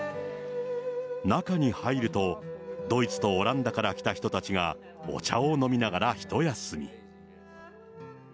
中に入ると、ドイツとオランダから来た人たちが、お茶を飲みながらひと休み。